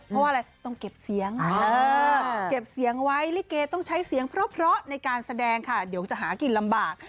เพราะว่าอะไรต้องเก็บเสียงเก็บเสียงไว้ลิเกต้องใช้เสียงเพราะในการแสดงค่ะเดี๋ยวจะหากินลำบาก